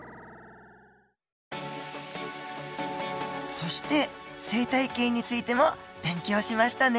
そして生態系についても勉強しましたね。